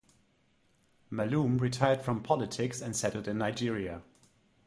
Malloum retired from politics and settled in Nigeria.